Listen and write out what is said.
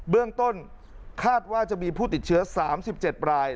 เบื้องต้นคาดว่าจะมีผู้ติดเชื้อ๓๗ราย